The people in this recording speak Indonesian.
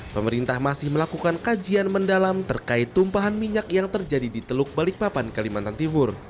pemerintah masih melakukan kajian mendalam terkait tumpahan minyak yang terjadi di teluk balikpapan kalimantan timur